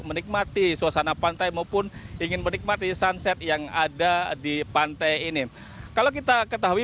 menikmati suasana pantai maupun ingin menikmati sunset yang ada di pantai ini kalau kita ketahui